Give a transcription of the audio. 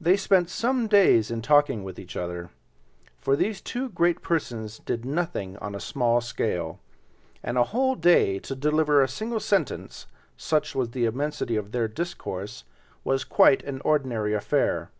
They spent some days in talking with each other—for these two great persons did nothing on a small scale, and a whole day to deliver a single sentence, such was the immensity of their discourse, was quite an ordinary affair.